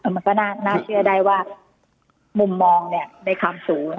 มันก็น่าเชื่อได้ว่ามุมมองในความสูง